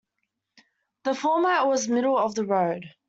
The format was middle-of-the-road.